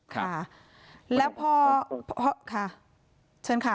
ค่ะแล้วพอค่ะเชิญค่ะ